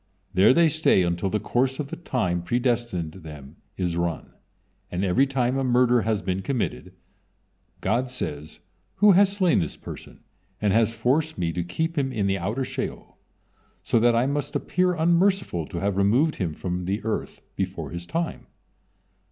There they stay until the course of the time predestined them is run; and every time a murder has been committed, God says: "Who has slain this person and has forced Me to keep him in the outer Sheol, so that I must appear unmerciful to have removed him from earth before his time?"